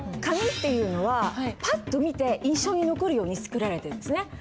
紙っていうのはパッと見て印象に残るように作られてるんですね。